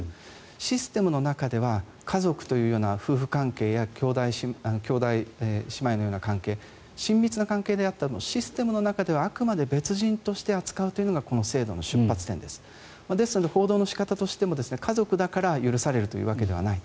システムの中では家族という夫婦関係や兄弟、姉妹のような関係親密な関係であってもシステムの中ではあくまで別人として扱うというのがこの制度の出発点です。ですので、報道の仕方としても家族だから許されるというわけではない。